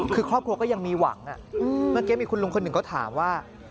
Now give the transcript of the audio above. คือครอบครัวก็ยังมีหวังเมื่อกี้มีคุณลุงคนหนึ่งเขาถามว่า